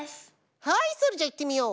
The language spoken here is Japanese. はいそれじゃあいってみよう。